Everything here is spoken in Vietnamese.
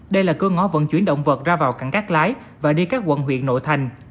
đây là cơ ngõ vận chuyển động vật ra vào cảng cát lái và đi các quận huyện nội thành